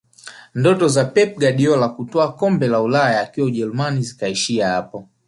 ndoto za pep guardiola kutwaa kombe la ulaya akiwa ujerumani zikaishia hapo